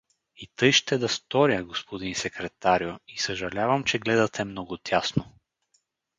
— И тъй ще да сторя, господин секретарю, и съжалявам, че гледате много тясно.